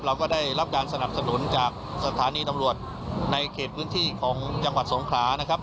เราก็ได้รับการสนับสนุนจากสถานีตำรวจในเขตพื้นที่ของจังหวัดสงขลานะครับ